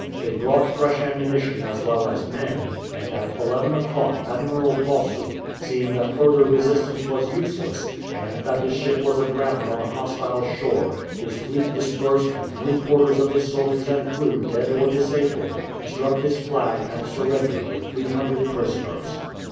They brought fresh ammunition as well as men, and at eleven o'clock Admiral Bossu, seeing that further resistance was useless, and that his ship was aground on a hostile shore, his fleet dispersed and three quarters of his soldiers and crew dead or disabled, struck his flag and surrendered with 300 prisoners.